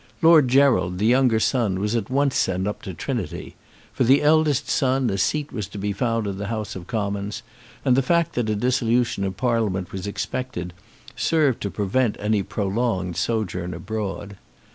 Lord Gerald, the younger son, was at once sent up to Trinity. For the eldest son a seat was to be found in the House of Commons, and the fact that a dissolution of Parliament was expected served to prevent any prolonged sojourn abroad.